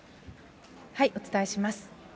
お伝えします。